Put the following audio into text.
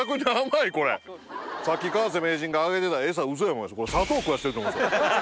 さっき川瀬名人があげてたエサウソや思いました。